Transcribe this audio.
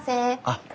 あっ。